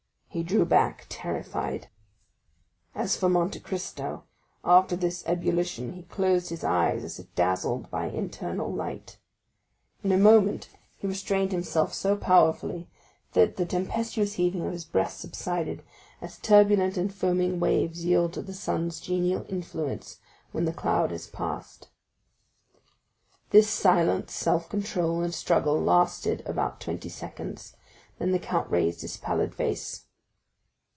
He drew back terrified. As for Monte Cristo, after this ebullition he closed his eyes as if dazzled by internal light. In a moment he restrained himself so powerfully that the tempestuous heaving of his breast subsided, as turbulent and foaming waves yield to the sun's genial influence when the cloud has passed. This silence, self control, and struggle lasted about twenty seconds, then the count raised his pallid face.